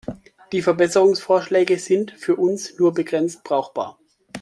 Die Verbesserungsvorschläge sind für uns nur begrenzt brauchbar.